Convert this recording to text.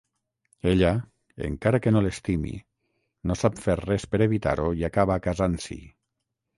Ella, encara que no l'estimi, no sap fer res per evitar-ho i acaba casant-s'hi.